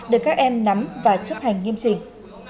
để các em nắm và chấp hành nghiêm trình